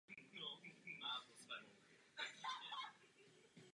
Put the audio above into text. Byl profesí stavitelem.